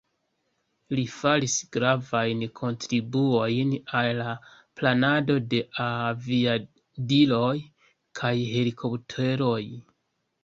Li faris gravajn kontribuojn al la planado de aviadiloj kaj helikopteroj.